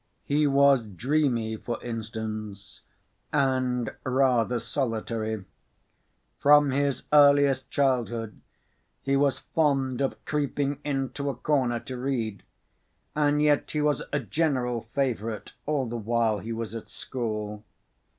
He was dreamy, for instance, and rather solitary. From his earliest childhood he was fond of creeping into a corner to read, and yet he was a general favorite all the while he was at school.